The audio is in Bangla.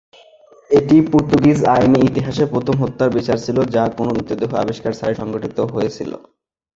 এটি পর্তুগিজ আইনী ইতিহাসে প্রথম হত্যার বিচার ছিল যা কোনও মৃতদেহ আবিষ্কার ছাড়াই সংঘটিত হয়েছিল।